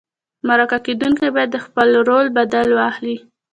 مرکه کېدونکی باید د خپل رول بدل واخلي.